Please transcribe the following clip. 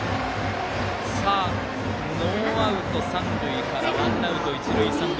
ノーアウト、三塁からワンアウト、一塁三塁。